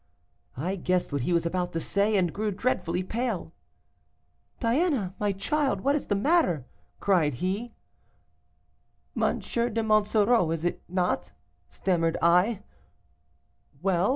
I guessed what he was about to say, and grew dreadfully pale. "'Diana, my child, what is the matter?' cried he. "'M. de Monsoreau, is it not?' stammered I. 'Well?